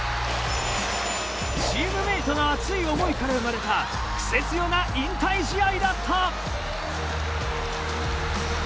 チームメイトの熱い思いから生まれたクセ強な引退試合だった。